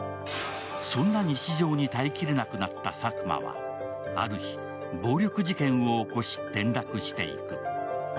そんな日常に耐えきれなくなったサクマはある日、暴力事件を起こし転落していく。